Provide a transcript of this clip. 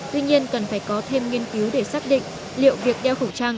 tuy nhiên cần phải có thêm nghiên cứu để xác định liệu việc đeo khẩu trang